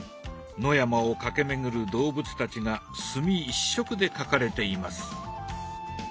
野山を駆け巡る動物たちが墨一色で描かれています。